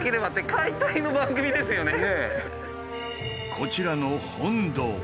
こちらの本堂。